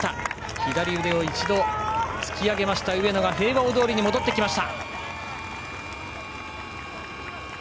左腕を一度、突き上げました上野が平和大通りに戻ってきました！